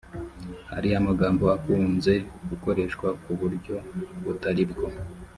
hari amagambo akunze gukoreshwa ku buryo butari bwo